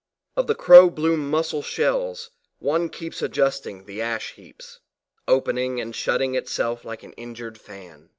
Of the crow blue mussel shells, one keeps adjusting the ash heaps; opening and shutting itself like an injured fan.